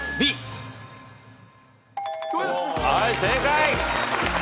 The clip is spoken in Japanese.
はい正解。